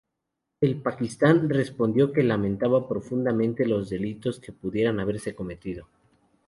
El Pakistán respondió que "lamentaba profundamente los delitos que pudieran haberse cometido".